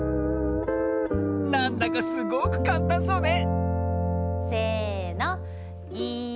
なんだかすごくかんたんそうねせの。